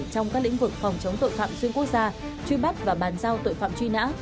họ vực phòng chống tội phạm xuyên quốc gia truy bắt và bàn giao tội phạm truy nã